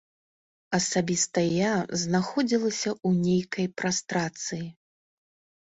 Асабіста я знаходзілася ў нейкай прастрацыі.